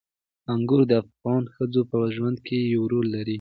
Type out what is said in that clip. انګور د افغان ښځو په ژوند کې یو رول لري.